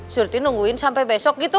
surti nungguin sampai besok gitu